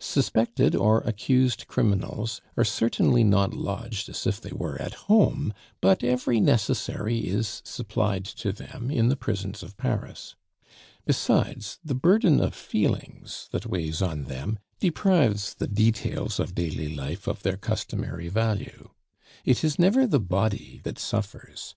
Suspected or accused criminals are certainly not lodged as if they were at home; but every necessary is supplied to them in the prisons of Paris. Besides, the burden of feelings that weighs on them deprives the details of daily life of their customary value. It is never the body that suffers.